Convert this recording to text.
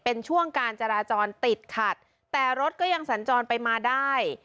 เป็นช่วงการจราจรติดขัดแต่รถก็ยังสัญจรไปมาได้